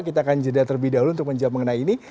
kita akan jeda terlebih dahulu untuk menjawab mengenai ini